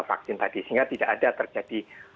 vaksin tadi sehingga tidak ada terjadi